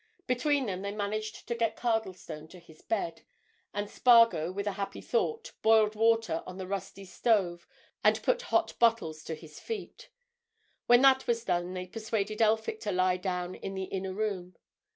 Between them they managed to get Cardlestone to his bed, and Spargo, with a happy thought, boiled water on the rusty stove and put hot bottles to his feet. When that was done they persuaded Elphick to lie down in the inner room.